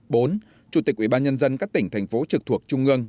bốn chủ tịch quỹ ban nhân dân các tỉnh thành phố trực thuộc trung ương